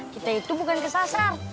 kita itu bukan kesasar tapi tersesat